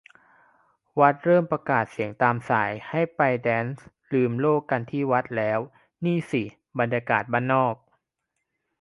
วัดเริ่มประกาศเสียงตามสายให้ไปแด๊นซ์ลืมโลกกันที่วัดแล้ว นี่สิบรรยากาศบ้านนอก